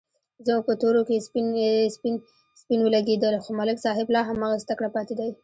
زموږ په تورو کې سپین ولږېدل، خو ملک صاحب لا هماغسې تکړه پاتې دی.